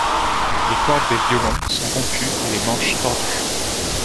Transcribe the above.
Les cordes des violons sont rompues et les manches tordus!